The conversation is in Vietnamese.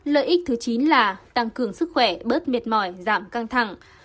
lợi ích thứ chín là tăng cường sức khỏe bớt mệt mỏi giảm căng thẳng